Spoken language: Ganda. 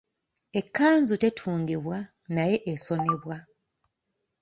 Ekkanzu tetungibwa naye esonebwa.